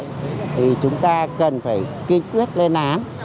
thì chúng ta cần phải kiên quyết lên án